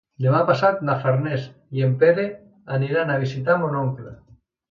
Demà passat na Farners i en Pere aniran a visitar mon oncle.